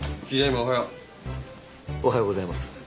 おはようございます。